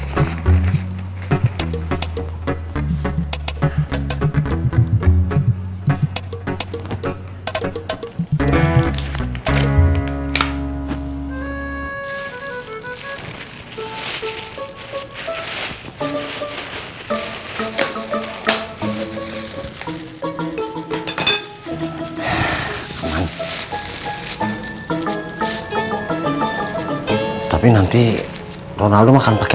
sampai jumpa lagi